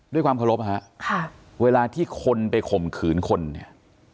ด้วยความเคารพฮะค่ะเวลาที่คนไปข่มขืนคนเนี่ย